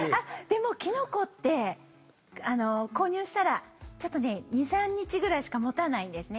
でも、キノコって購入したら２３日ぐらいしか持たないんですね。